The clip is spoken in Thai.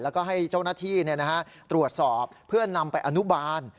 แล้วก็ให้เจ้าหน้าที่ตรวจสอบเพื่อนำไปอนุบาล